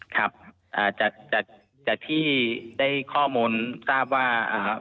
ครับจากจากที่ได้ข้อมูลทราบว่า